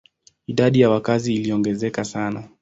Idadi ya wakazi iliongezeka sana.